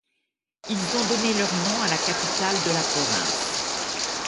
Ils ont donné leur nom à la capitale de la province.